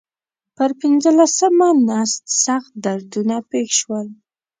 پر پنځلسمه نس سخت دردونه پېښ شول.